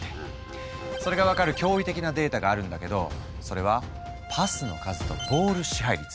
それが分かる驚異的なデータがあるんだけどそれはパスの数とボール支配率。